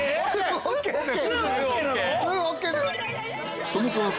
ＯＫです。